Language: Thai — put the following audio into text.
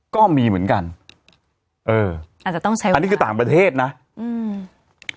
ก็มีเหมือนกันเอออาจจะต้องใช้อันนี้คือต่างประเทศนะอืม